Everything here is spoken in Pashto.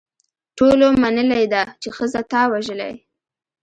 ټولو منلې ده چې ښځه تا وژلې.